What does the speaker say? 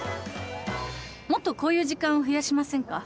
もっとこういう時間増やしませんか？